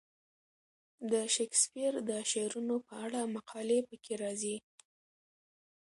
د شکسپیر د شعرونو په اړه مقالې پکې راځي.